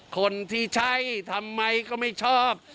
คนที่ใช่ทำไมก็ไม่ชอบ